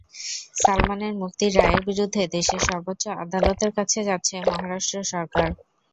সালমানের মুক্তির রায়ের বিরুদ্ধে দেশের সর্বোচ্চ আদালতের কাছে যাচ্ছে মহারাষ্ট্র সরকার।